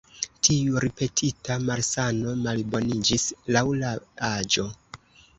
Tiu ripetita malsano malboniĝis laŭ la aĝo.